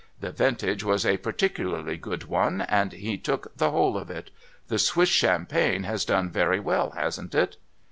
' The vintage was a particularly good one, and he took the whole of it. The Swiss champagne has done very well, hasn't it